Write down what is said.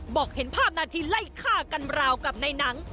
บอกเห็นภาพนาทีไล่ฆ่ากันราวกับในหนัง